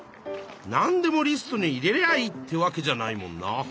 なんでもリストに入れりゃあいいってわけじゃないもんな。